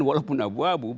walau pun abu abu